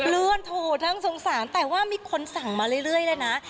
เลื่อนถูกทั้งสงสารแต่ว่ามีคนสั่งมาเรื่อยเลยนะ